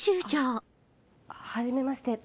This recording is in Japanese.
・あっはじめまして。